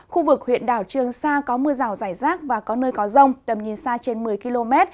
khu vực huyện đảo trường sa có mưa rào rải rác và có nơi có rông tầm nhìn xa trên một mươi km